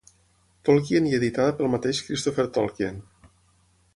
Tolkien i editada pel mateix Christopher Tolkien.